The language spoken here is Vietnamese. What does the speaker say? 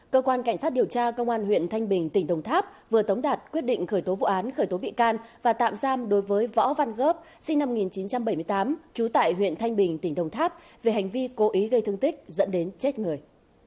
cơ quan cảnh sát điều tra công an huyện thanh bình tỉnh đồng tháp vừa tống đạt quyết định khởi tố vụ án khởi tố bị can và tạm giam đối với võ văn góp sinh năm một nghìn chín trăm bảy mươi tám trú tại huyện thanh bình tỉnh đồng tháp về hành vi cố ý gây thương tích dẫn đến chết người